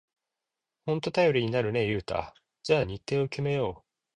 ほんと頼りになるね、ユウタ。じゃあ日程を決めよう！